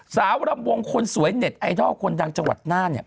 สาวลำวงคนสวยเน็ตไอดอลคนดังจังหวัดหน้า